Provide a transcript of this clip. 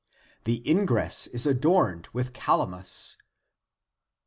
The ingress is adorned with* calamus.